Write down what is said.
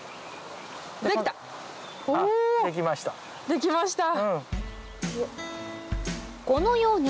できました。